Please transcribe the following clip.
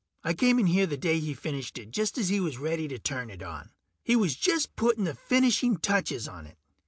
I came in here the day he finished it, just as he was ready to turn it on. He was just putting the finishing touches on it.